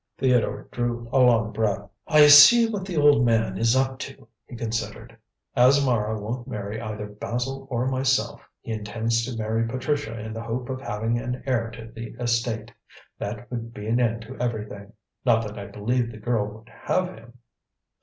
Theodore drew a long breath. "I see what the old man is up to," he considered. "As Mara won't marry either Basil or myself, he intends to marry Patricia in the hope of having an heir to the estate. That would be an end to everything. Not that I believe the girl would have him."